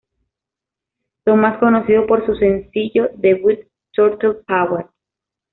Son más conocidos por su sencillo debut, "Turtle Power!